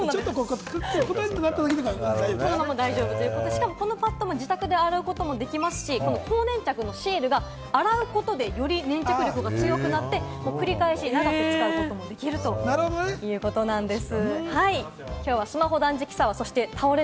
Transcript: しかもこのパッドを自宅で洗うこともできますし、高粘着のシールが洗うことでより粘着力が強くなって繰り返し使うこともできるということなんです。